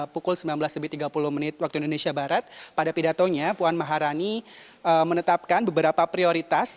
pukul sembilan belas lebih tiga puluh menit waktu indonesia barat pada pidatonya puan maharani menetapkan beberapa prioritas